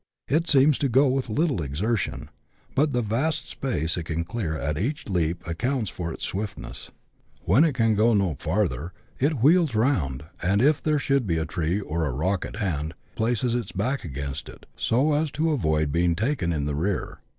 It seems to go with little exertion, but the vast space it can clear at each leap accounts for* its swiftness. When it can go no farther, it wheels round, and if there should be a tree or rock at hand, places its back against it, so as to avoid being taken in the rear.